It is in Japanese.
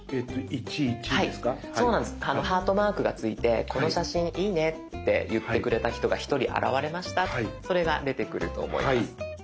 ハートマークがついてこの写真いいねって言ってくれた人が１人現れましたってそれが出てくると思います。